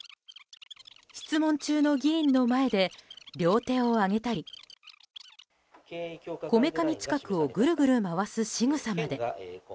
質問中の議員の前で両手を上げたりこめかみ近くをぐるぐる回すしぐさまで。